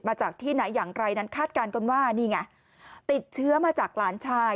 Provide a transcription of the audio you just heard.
มาจากที่ไหนอย่างไรนั้นคาดการณ์กันว่านี่ไงติดเชื้อมาจากหลานชาย